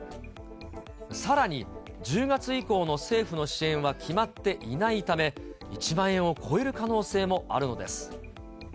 さらに１０月以降の政府の支援は決まっていないため、１万円を超える可能性もあるのです。